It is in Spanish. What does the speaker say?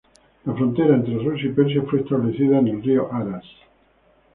La frontera entre Rusia y Persia fue establecida en el río Aras.